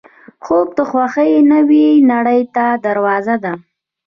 خوب د خوښۍ نوې نړۍ ته دروازه ده